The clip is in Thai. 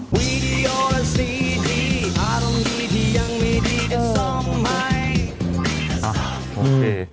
เข้าไปเลยครับ